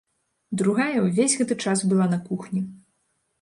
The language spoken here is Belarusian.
Другая ўвесь гэты час была на кухні.